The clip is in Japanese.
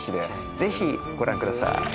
ぜひご覧ください！